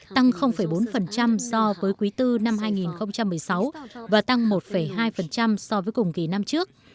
tăng bốn so với quý iv năm hai nghìn một mươi sáu và tăng một hai so với cùng kỳ năm trước